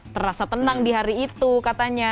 terasa tenang di hari itu katanya